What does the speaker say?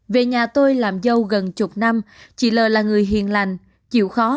bà tôi làm dâu gần chục năm chị lê là người hiền lành chịu khó